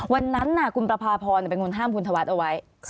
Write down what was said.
วันนั้นคุณประพาพรเป็นคนห้ามคุณธวัฒน์เอาไว้